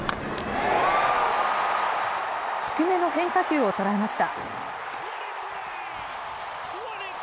低めの変化球を捉えました。